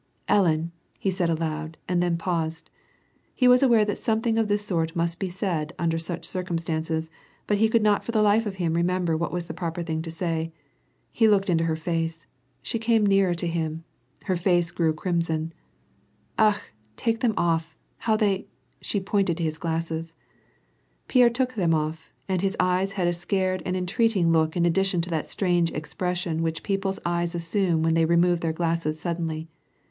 " Ellen !" said he aloud, and then paused. He was aware that something of this sort must be said und^ such circum stances, but he could not for tlie life of him remember what was the proper thing to say. He looked into her face, she came nearer to him. Her face grew a deep crimson. " Akh ! take them off. How they "— she pointed to his gl: ss ?s. Pierre took them off, and his eyes had a scared and entreat ing look in addition to that strange expression which people's eyes assume when they remove their glasses suddenly.